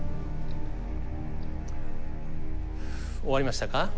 終わりましたか？